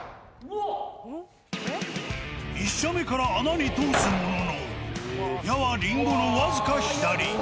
１射目から穴に通すものの、矢はリンゴの僅か左。